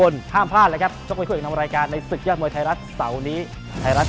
นำทำรายการในศึกยาชมวยธรรมไทยรัฐ